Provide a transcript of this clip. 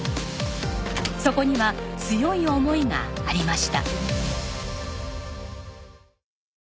そこには強い思いがありました。